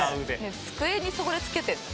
机にそれつけてんの？